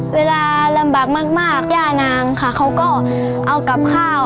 เวลาลำบากมากย่านางค่ะเขาก็เอากับข้าว